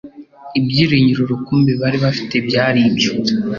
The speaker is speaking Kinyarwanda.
ibyiringiro rukumbi bari bafite byari ibyo.